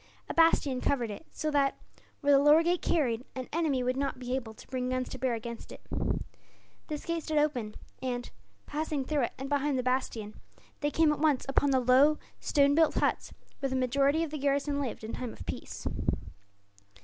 A bastion covered it so that, were the lower gate carried, an enemy would not be able to bring guns to bear against it. This gate stood open and, passing through it and behind the bastion, they came at once upon the low, stone built huts where the majority of the garrison lived, in time of peace.